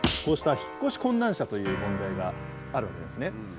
こうした引っ越し困難者という問題があるわけですね。